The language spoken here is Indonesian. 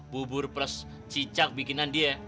bubur plus cicak bikinan dia